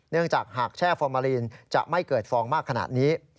เนื่องจากหากแช่ฟอร์มาลีนจะไม่เกิดฟองมากขนาดนี้